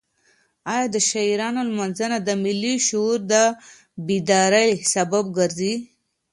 ایا د شاعرانو لمانځنه د ملي شعور د بیدارۍ سبب ګرځي؟